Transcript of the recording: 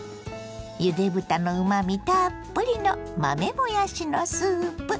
ゆで豚のうまみたっぷりの豆もやしのスープ。